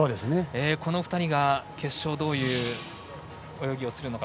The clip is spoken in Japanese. この２人が決勝どういう泳ぎをするのか。